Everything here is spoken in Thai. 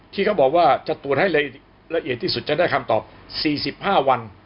ที่เขาบอกว่าจะตรวจให้ละเอียดที่สุดจะได้คำตอบ๔๕วัน